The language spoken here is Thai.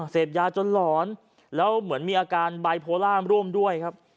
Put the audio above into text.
เสพยาจนหลอนแล้วเหมือนมีอาการบายโพล่ามร่วมด้วยครับ